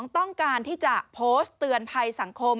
ต้องการที่จะโพสต์เตือนภัยสังคม